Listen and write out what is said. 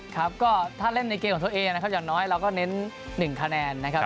ครับก็ถ้าเล่นในเกมของตัวเองนะครับอย่างน้อยเราก็เน้น๑คะแนนนะครับ